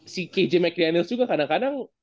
si kj mcdaniels juga kadang kadang